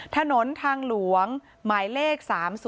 ถนนทางหลวงหมายเลข๓๐